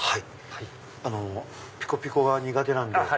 あのピコピコは苦手なんで。